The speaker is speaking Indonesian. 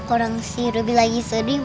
orang si ruby lagi sedih